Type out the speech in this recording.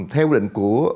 theo định của